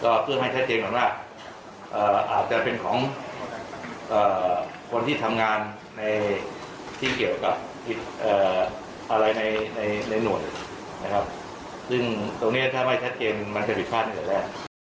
ก็เพื่อให้ชัดเกนว่าอาจจะเป็นของคนที่ทำงานที่เกี่ยวกับอะไรในหน่วยซึ่งถ้าไม่แชดเกนมันจะผิดคาดเมื่อไหร่